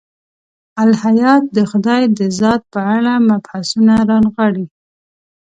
الهیات د خدای د ذات په اړه مبحثونه رانغاړي.